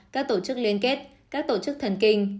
các tổ chức liên kết các tổ chức thần kinh